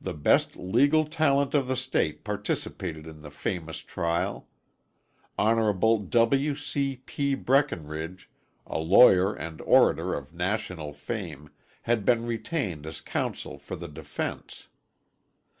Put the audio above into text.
The best legal talent of the state participated in the famous trial. Honorable W. C. P. Breckinridge, a lawyer and orator of national fame, had been retained as counsel for the defence.